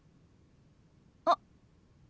あっ。